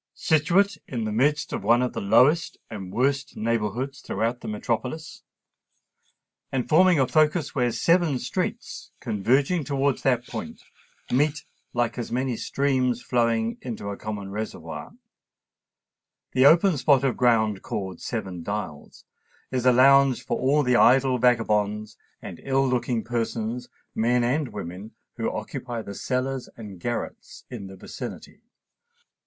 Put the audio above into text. Situate in the midst of one of the lowest and worst neighbourhoods throughout the metropolis, and forming a focus where seven streets, converging towards that point, meet like as many streams flowing into a common reservoir, the open spot of ground called Seven Dials is a lounge for all the idle vagabonds and ill looking persons, men and women, who occupy the cellars and garrets in the vicinity.